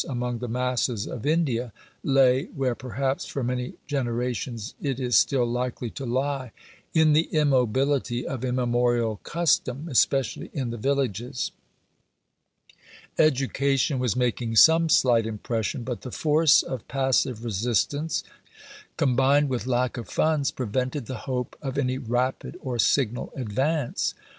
It was soon apparent that the great obstacle to sanitary progress among the masses of India lay, where perhaps for many generations it is still likely to lie, in the immobility of immemorial custom, especially in the villages. Education was making some slight impression, but the force of passive resistance, combined with lack of funds, prevented the hope of any rapid or signal advance.